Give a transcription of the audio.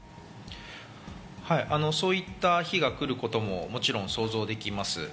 そういった日が来ることももちろん想像できます。